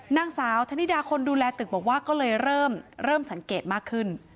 นางสาวธนิดาคนดูแลตึกบอกว่าก็เลยเริ่มสังเกตมากขึ้น